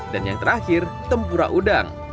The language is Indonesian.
dan yang terakhir tempura udang